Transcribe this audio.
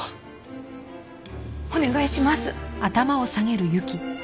お願いします。